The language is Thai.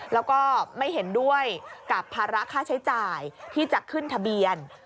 แล้วก็ไม่เห็นด้วยกับภาระค่าใช้จ่ายที่จะขึ้นทะเบียน